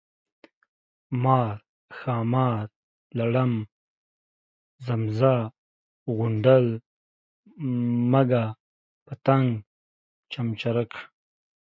مار، ښامار ، لړم، زمزه، غونډل، منږک ، مږه، پتنګ ، چمچرک،